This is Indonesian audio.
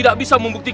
kisanak yang tadi